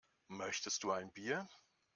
Möchtest du ein Bier?